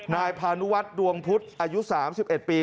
นายพานุวัฒน์ดวงพุทธอายุ๓๑ปี